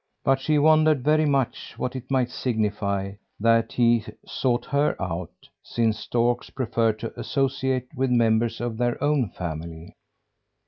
But she wondered very much what it might signify that he sought her out, since storks prefer to associate with members of their own family.